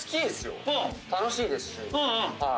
楽しいですし。